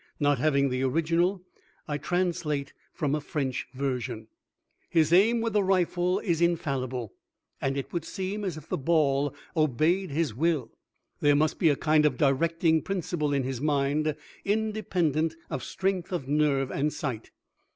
Not having the original, I translate from a French version: "His aim with the rifle is infallible, and it would seem as if the ball obeyed his Will. There must be a kind of directing principle in his mind, independent of strength of nerve and sight.